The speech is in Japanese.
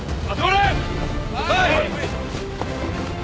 はい！